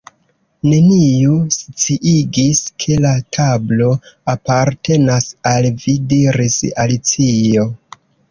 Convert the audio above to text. "Neniu sciigis ke la tablo apartenas al vi " diris Alicio.